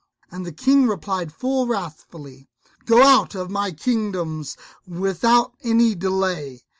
And the King replied full wrathfully, "Go out of my kingdoms without any delay."